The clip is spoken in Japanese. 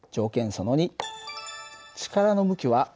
その２。